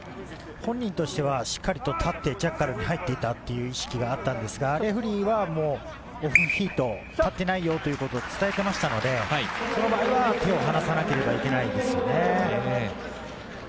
本人としてはしっかりと立って、ジャッカルに入っていたという意識があったんですが、レフェリーがオフフィート、立ってないよということを伝えていましたので、その場合は手を離さなければいけないんですね。